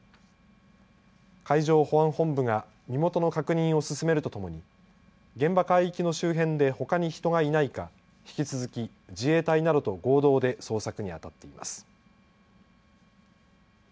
海上保安本部が身元の確認を進めるとともに現場海域の周辺でほかに人がいないか引き続き自衛隊などと合同で捜索にあたっています。